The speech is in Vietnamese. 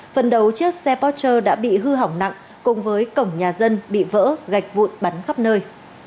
phần đầu chiếc xe pocher đã bị hư hỏng nặng cùng với cổng nhà dân bị vỡ gạch vụn bắn khắp nơi